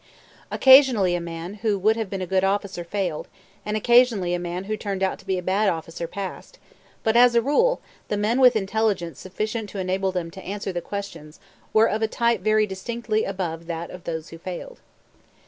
Occasionally a man who would have been a good officer failed, and occasionally a man who turned out to be a bad officer passed; but, as a rule, the men with intelligence sufficient to enable them to answer the questions were of a type very distinctly above that of those who failed.